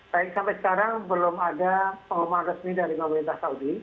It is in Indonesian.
baik sampai sekarang belum ada pengumuman resmi dari pemerintah saudi